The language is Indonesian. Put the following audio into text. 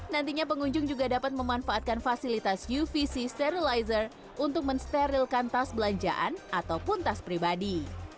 nantinya pengunjung juga dapat memanfaatkan fasilitas uvc sterilizer untuk mensterilkan tas belanjaan ataupun tas pribadi